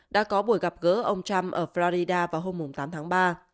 đã có buổi gặp gỡ ông trump ở florida vào hôm tám tháng ba